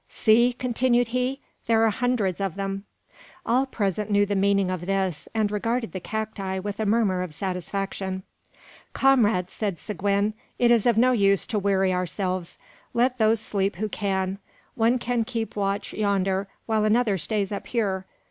"See!" continued he, "there are hundreds of them!" All present knew the meaning of this, and regarded the cacti with a murmur of satisfaction. "Comrades!" said Seguin, "it is of no use to weary ourselves. Let those sleep who can. One can keep watch yonder while another stays up here.